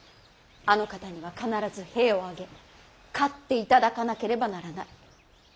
あの方には必ず兵を挙げ勝っていただかなければならない。